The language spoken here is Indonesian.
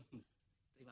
terima kasih pak